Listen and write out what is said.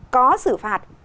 có xử phạt